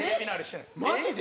マジで？